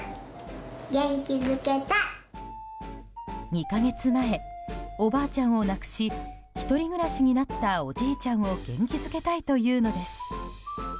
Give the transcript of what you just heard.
２か月前おばあちゃんを亡くし１人暮らしになったおじいちゃんを元気づけたいというのです。